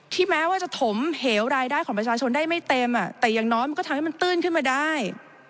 แม้ว่าจะถมเหวรายได้ของประชาชนได้ไม่เต็มแต่อย่างน้อยมันก็ทำให้มันตื้นขึ้นมาได้